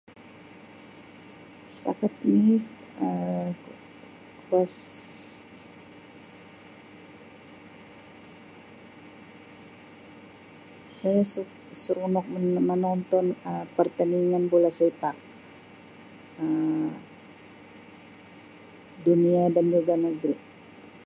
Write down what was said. Setakat ini Um [unintelligible] saya suk seronok menonton Um pertandingan bola sepak Um dunia dan juga negeri.